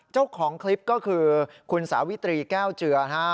เจ้าของคลิปก็คือคุณสาวิตรีแก้วเจือนะฮะ